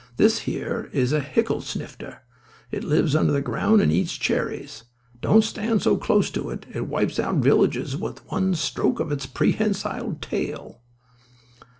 This here is a hicklesnifter. It lives under the ground and eats cherries. Don't stand so close to it. It wipes out villages with one stroke of its prehensile tail."